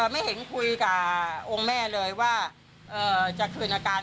ไม่เห็นคุยกับองค์แม่เลยว่าจะคืนอาการ